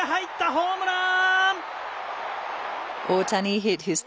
ホームラン。